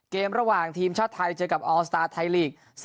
ระหว่างทีมชาติไทยเจอกับออลสตาร์ไทยลีก